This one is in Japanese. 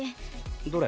どれ？